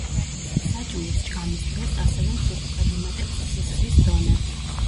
საჭმლის ჭამის დროს ასევე მსუბუქად იმატებს სისხლის დონე.